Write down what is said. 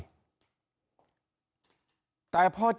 ยากดีมีจนยังไงก็ภูมิใจที่เป็นคนไทย